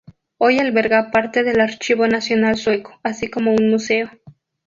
Hoy alberga parte del archivo nacional sueco, así como un museo.